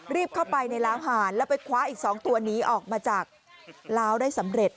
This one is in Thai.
รีบเข้าไปในล้าวหานแล้วไปคว้าอีก๒ตัวนี้ออกมาจากล้าวได้สำเร็จ